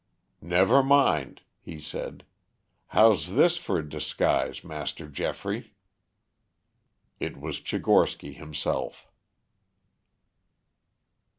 "Never mind," he said. "How's this for a disguise, Master Geoffrey?" It was Tchigorsky himself.